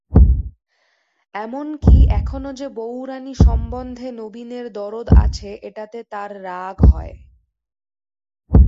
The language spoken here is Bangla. এমন-কি, এখনো যে বউরানী সম্বন্ধে নবীনের দরদ আছে, এটাতে তার রাগ হয়।